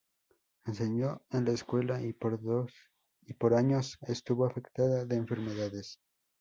Enseñó en la escuela y por años estuvo afectada de enfermedades.